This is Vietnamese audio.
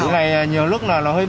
mũi hai là hơn hai trăm hai mươi